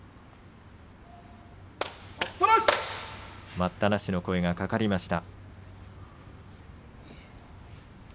待ったなしの声が行司からかかりました。